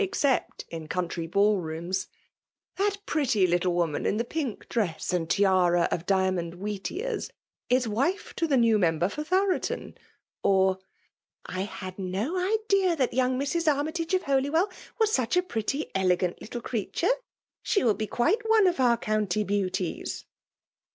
except, iiy country ball TOQiBSi '" That pretty little, wosasa in the pmk dress and tiara of. diamond «heat^eaIS is wife to the new member for Thorot(m;V or> —" I had no idea that young 'Mrs. Army tage of Holywell was such a pretty, cl^ant, little creature. She will be quite one. of. our eCKinty beauties